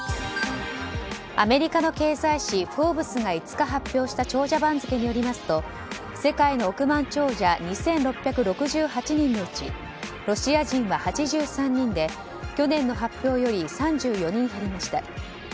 アメリカの経済誌「フォーブス」が５日発表した長者番付によりますと世界の億万長者２６６８人のうちロシア人は８３人で去年の発表より３４人減りました。